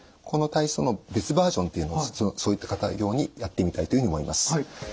この体操の別バージョンというのはそういった方用にやってみたいというふうに思います。